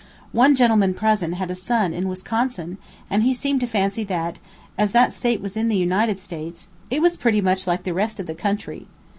One gentleman present had a son in Wisconsin, and he seemed to fancy that, as that state was in the United States, it was pretty much like the rest of the country.